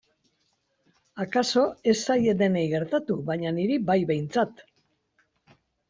Akaso ez zaie denei gertatu baina niri bai behintzat.